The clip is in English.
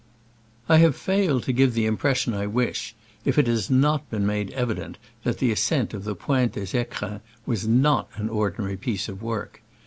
I have failed to give the impression I wish if it has not been made evident that the ascent of the Pointe des ficrins was not an ordinary piece of work.